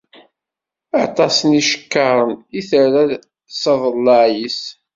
Aṭas n yicekkaṛen i terra s aḍellaɛ-is.